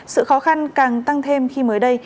sự khó khăn càng tăng thêm khi mới đây